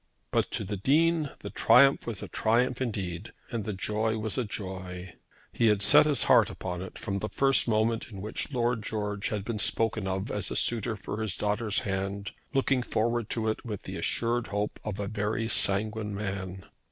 But to the Dean the triumph was a triumph indeed and the joy was a joy! He had set his heart upon it from the first moment in which Lord George had been spoken of as a suitor for his daughter's hand, looking forward to it with the assured hope of a very sanguine man.